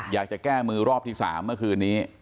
อยากจะแก้มือรอบที่๓เมื่อคืนนี้